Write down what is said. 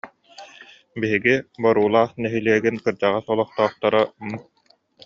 Биһиги Боруулаах нэһилиэгин кырдьаҕас олохтоохторо М